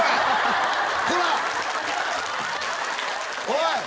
おい！